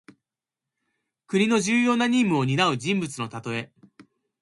国の重要な任務をになう人材のたとえ。